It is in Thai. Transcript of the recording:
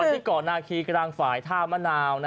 ที่เกาะนาคีกลางฝ่ายท่ามะนาว